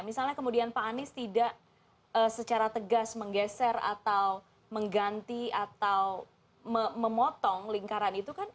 misalnya kemudian pak anies tidak secara tegas menggeser atau mengganti atau memotong lingkaran itu kan